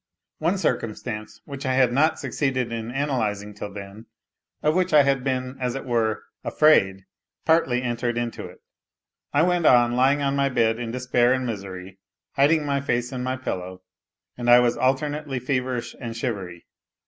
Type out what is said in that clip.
One circumstance, wlu'ch I had succeeded in analysing till then, of which I had been as it v afraid, partly ent< ivd into it. I went on lying on my bed in despair and misery, hiding my face in my pillow, and I was alternately feverish and shivery.